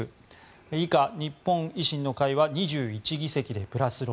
以下、日本維新の会は２１議席でプラス６。